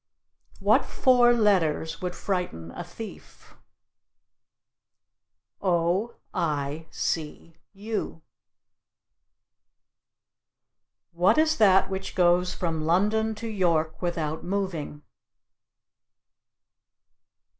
What four letters would frighten a thief? O I C U. What is that which goes from London to York without moving?